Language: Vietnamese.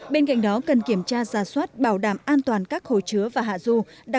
bên cạnh đó cần kiểm tra xa xoát bảo đảm an toàn các hồ chứa và hạ ru